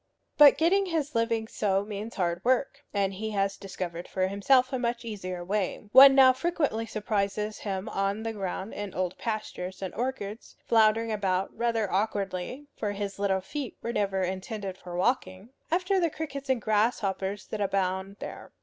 But getting his living so means hard work, and he has discovered for himself a much easier way. One now frequently surprises him on the ground in old pastures and orchards, floundering about rather awkwardly (for his little feet were never intended for walking) after the crickets and grasshoppers that abound there.